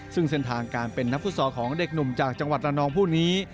ซึ่งเส้นทางการเป็นนักฟุตซอลของเด็กหนุ่มจากจังหวัดระนองผู้นี้